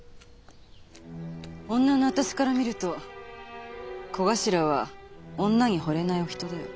女の私から見ると小頭は女にほれないお人だよ。